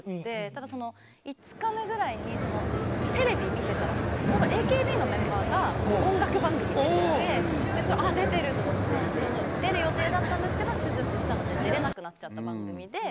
ただ、５日目ぐらいにテレビ見てたらちょうどＡＫＢのメンバーが音楽番組に出ててあ、出てるって思ってちょうど出る予定だったんですけど手術したので出れなくなっちゃった番組で。